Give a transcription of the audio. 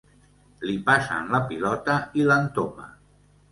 Li passen la pilota i l'entoma.